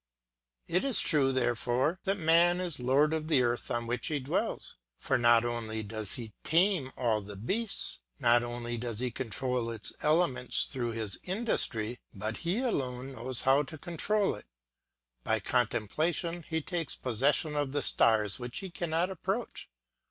It is true, therefore, that man is lord of the earth on which he dwells; for not only does he tame all the beasts, not only does he control its elements through his industry; but he alone knows how to control it; by contemplation he takes possession of the stars which he cannot approach.